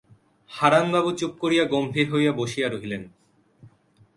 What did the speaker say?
হারানবাবু চুপ করিয়া গম্ভীর হইয়া বসিয়া রহিলেন।